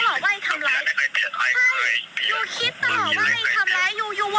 ยูคิดอะไรของยูอยู่อ่ะ